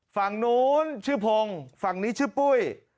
ฝั่งนู้นชื่อพงศ์ฝั่งนี้ชื่อปุ้ย